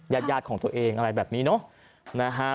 ญาติของตัวเองอะไรแบบนี้เนาะ